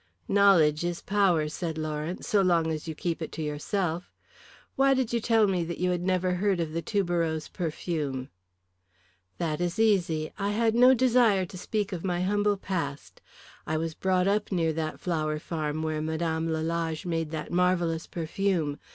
"Knowledge is power," said Lawrence, "so long as you keep it to yourself. Why did you tell me that you had never heard of the tuberose perfume?" "That is easy. I had no desire to speak of my humble past. I was brought up near that flower farm where Mme. Lalage made that marvellous perfume.